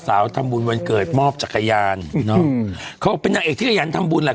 ทำบุญวันเกิดมอบจักรยานเนอะเขาบอกเป็นนางเอกที่ขยันทำบุญแหละ